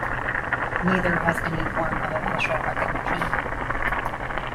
Neither has any form of official recognition.